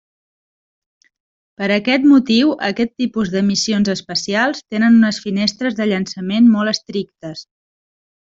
Per aquest motiu aquest tipus de missions espacials tenen unes finestres de llançament molt estrictes.